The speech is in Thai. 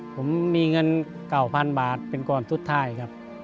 ผมมีเงิน๙๐๐๐บาทเป็นกรรศุทร์ท่ายครับ